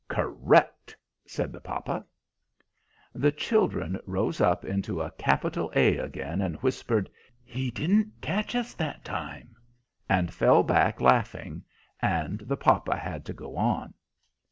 "Correct," said the papa. The children rose up into a capital A again, and whispered, "He didn't catch us that time," and fell back, laughing, and the papa had to go on.